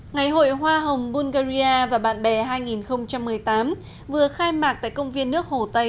ngày hội hoa hồng bulgari và bạn bè hai nghìn một mươi tám vừa khai mạc tại công viên nước hồ tây